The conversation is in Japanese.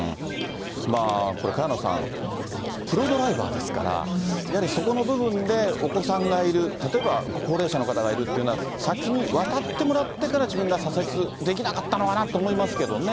これ、萱野さん、プロドライバーですから、やはりそこの部分で、お子さんがいる、例えば高齢者の方がいるっていうような、先に渡ってもらってから自分が左折できなかったのかなとは思いま